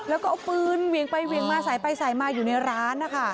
แล้วก็เอาปืนเหวี่ยงไปเวียงมาสายไปสายมาอยู่ในร้านนะคะ